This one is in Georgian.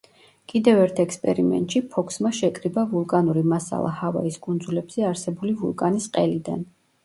კიდევ ერთ ექსპერიმენტში ფოქსმა შეკრიბა ვულკანური მასალა ჰავაის კუნძულებზე არსებული ვულკანის ყელიდან.